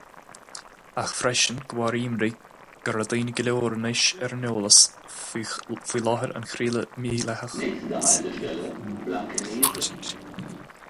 Ach freisin de bharr imní go raibh daoine go leor anois ar an eolas faoi láthair an chraoladh mhídhleathach tigh.